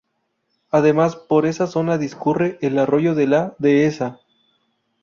Además por esa zona discurre el arroyo de la dehesa.